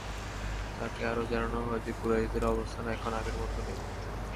তাকে আরো জানানো হয় যে, কুরাইশদের অবস্থান এখন আগের মত নেই।